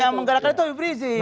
yang menggerakkan itu habib rizik